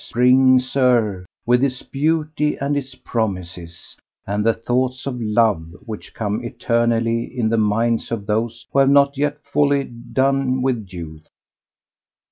Spring, Sir, with its beauty and its promises, and the thoughts of love which come eternally in the minds of those who have not yet wholly done with youth.